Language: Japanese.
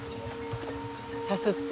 さすって。